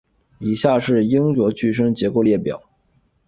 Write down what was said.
以下是英国驻外机构列表。